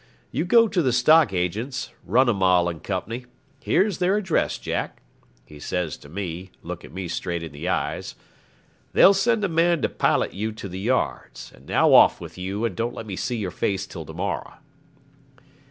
You go to the stock agents, Runnimall and Co.; here's their address, Jack,' he says to me, looking me straight in the eyes. 'They'll send a man to pilot you to the yards; and now off with you, and don't let me see your face till to morrow.'